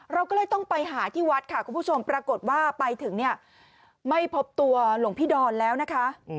เราก็เลยต้องไปหาที่วัดค่ะคุณผู้ชมปรากฏว่าไปถึงเนี่ยไม่พบตัวหลวงพี่ดอนแล้วนะคะ